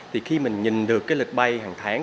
thì khi mình nhìn được cái lịch bay hàng tháng